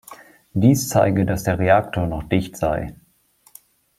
Dies zeige, dass der Reaktor noch dicht sei.